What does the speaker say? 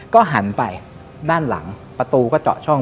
ก็หันไปด้านหลังประตูก็เจาะช่อง